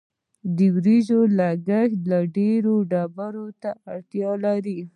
د وریجو کښت ډیرو اوبو ته اړتیا لري.